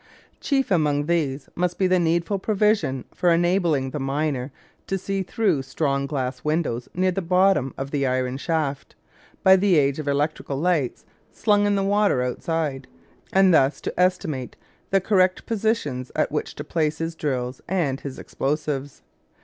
Chief among these must be the needful provision for enabling the miner to see through strong glass windows near the bottom of the iron shaft, by the aid of electric lights slung in the water outside, and thus to estimate the correct positions at which to place his drills and his explosives.